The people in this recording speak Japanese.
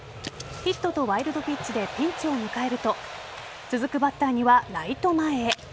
ヒットとワイルドピッチでピンチを迎えると続くバッターにはライト前へ。